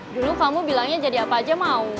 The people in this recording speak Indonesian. dulu kamu bilangnya jadi apa aja mau